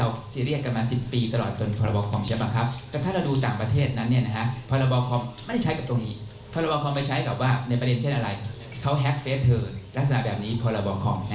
ลักษณะแบบนี้พอระบบของนะครับอย่างที่ง่ายนะครับ